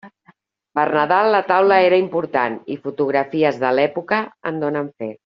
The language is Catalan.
Per Nadal la taula era important, i fotografies de l'època en donen fe.